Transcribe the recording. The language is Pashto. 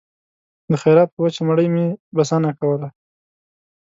د خیرات په وچه مړۍ مې بسنه کوله